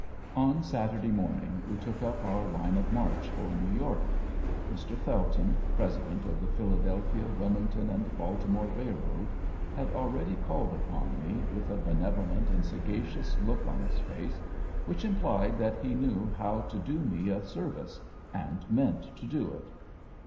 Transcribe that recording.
On Saturday morning we took up our line of march for New York. Mr. Felton, President of the Philadelphia, Wilmington and Baltimore Railroad, had already called upon me, with a benevolent and sagacious look on his face which implied that he knew how to do me a service and meant to do it.